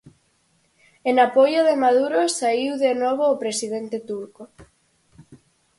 En apoio de Maduro saíu de novo o presidente turco.